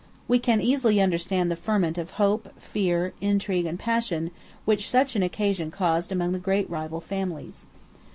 We can easily understand the ferment of hope, fear, intrigue, and passion, which such an occasion caused among the great rival families.